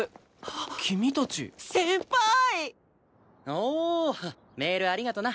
おうメールありがとな。